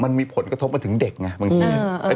มันมีผลกระทบมาถึงเด็กไงบางที